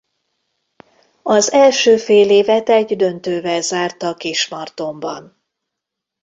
Az első félévet egy döntővel zárta Kismartonban.